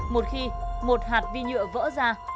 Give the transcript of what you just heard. một khi một hạt vi nhựa vỡ ra